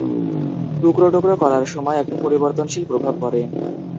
টুকরো টুকরো করার সময় একটা পরিবর্তনশীল প্রভাব পড়ে।